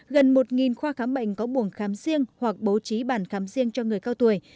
gần một khoa khám bệnh có buồng khám riêng hoặc bố trí bản khám riêng cho người cao tuổi